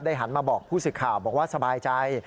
ได้หันมาบอกผู้สิทธิ์ข่าวบอกว่าสบายใจ